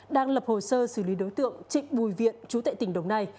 đang lập hồ sơ xử lý đối tượng trịnh bùi viện chú tệ tỉnh đồng nai